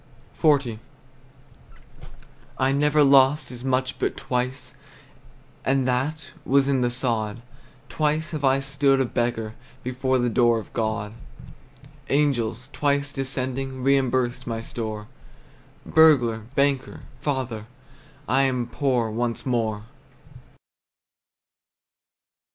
XL. I never lost as much but twice, And that was in the sod; Twice have I stood a beggar Before the door of God! Angels, twice descending, Reimbursed my store. Burglar, banker, father, I am poor once more!